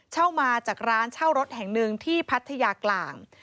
เช่ามาจากร้านเช่ารถแห่งหนึ่งที่พัทยากลาง